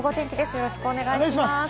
よろしくお願いします。